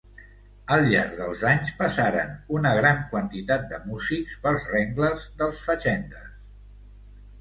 Al llarg dels anys passaren una gran quantitat de músics pels rengles dels Fatxendes.